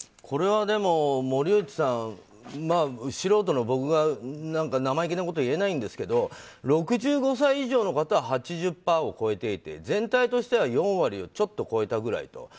これは、でも森内さん素人の僕が生意気なこと言えないんですけど６５歳以上の方は８０％を超えていて全体としては４割ちょっと超えたぐらいと。